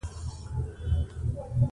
زه په حجره کې د مېلمنو سره ناست يم